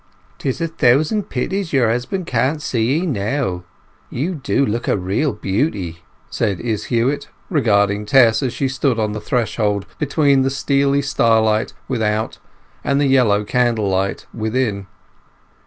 "'Tis a thousand pities your husband can't see 'ee now—you do look a real beauty!" said Izz Huett, regarding Tess as she stood on the threshold between the steely starlight without and the yellow candlelight within.